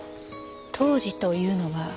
当時というのは？